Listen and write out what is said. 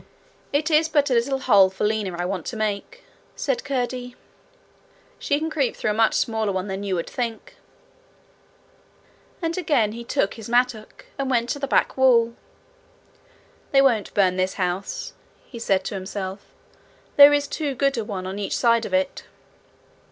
'It is but a little hole for Lina I want to make,' said Curdie. 'She can creep through a much smaller one than you would think.' Again he took his mattock, and went to the back wall. 'They won't burn the house,' he said to himself. 'There is too good a one on each side of it.'